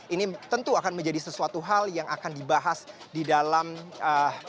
ini tentu akan menjadi sesuatu hal yang akan dibahas di dalam ee